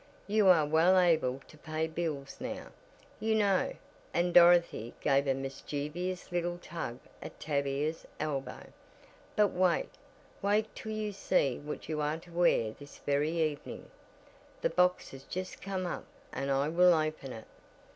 You are well able to pay bills now, you know," and Dorothy gave a mischievous little tug at Tavia's elbow. "But wait, wait till you see what you are to wear this very evening. The box has just come up, and I will open it."